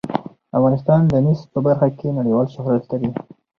افغانستان د مس په برخه کې نړیوال شهرت لري.